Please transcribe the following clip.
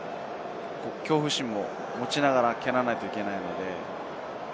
恐怖心も持ちながら蹴らないといけないので。